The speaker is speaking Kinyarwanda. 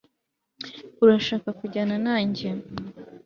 Urashaka kujyana nanjye